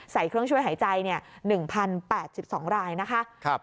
ใส่เครื่องช่วยหายใจ๑๐๘๒รายนะคะ